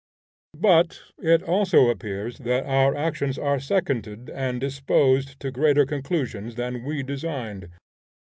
But it also appears that our actions are seconded and disposed to greater conclusions than we designed.